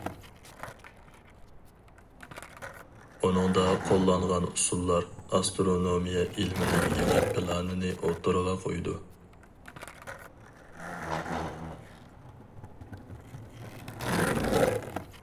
ئۇنىڭدا قوللانغان ئۇسۇللار ئاسترونومىيە ئىلمىنىڭ يېڭى پىلانىنى ئوتتۇرىغا قويىدۇ.